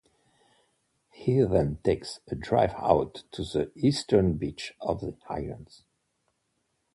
He then takes a drive out to the eastern beach of the island.